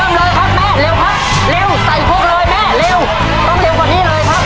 เลยครับแม่เร็วครับเร็วใส่พวกเลยแม่เร็วต้องเร็วกว่านี้เลยครับ